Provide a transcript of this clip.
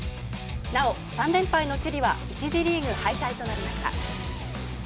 なお、３連敗のチリは１次リーグ敗退となりました。